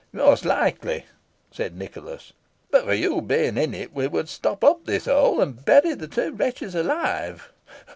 "Most likely," said Nicholas, "But for your being in it, we would stop up this hole, and bury the two wretches alive."